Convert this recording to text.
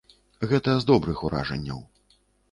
Гэта з добрых уражанняў.